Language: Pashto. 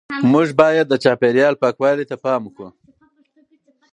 موږ باید د چاپیریال پاکوالي ته پام وکړو.